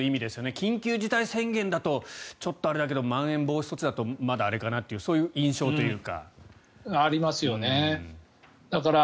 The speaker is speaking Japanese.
緊急事態宣言だとちょっとあれだけどまん延防止措置だとまだあれかなという印象というか。